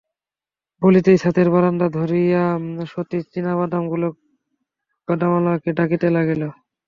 বলিতেই ছাতের বারান্দা ধরিয়া সতীশ চিনাবাদামওয়ালাকে ডাকিতে লাগিল।